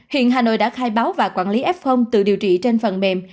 hiện hà nội đã khai báo và quản lý f tự điều trị trên phần mềm